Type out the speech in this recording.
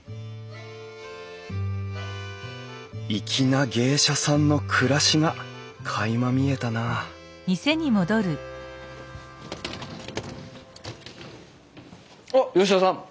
粋な芸者さんの暮らしがかいま見えたなおっ吉田さん！